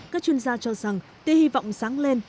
các chuyên gia cho rằng tia hy vọng sáng lên